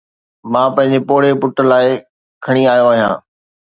مان پنهنجي پوڙهي پٽ لاءِ کڻي آيو آهيان